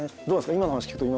どうなんですか？